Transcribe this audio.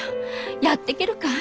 やっていけるかい？